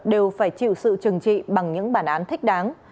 đều phải chịu sự trừng trị bằng những bản án thích đáng